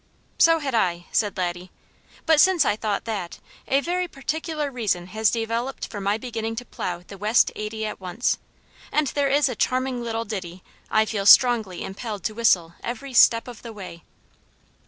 "So had I," said Laddie. "But since I thought that, a very particular reason has developed for my beginning to plow the west eighty at once, and there is a charming little ditty I feel strongly impelled to whistle every step of the way."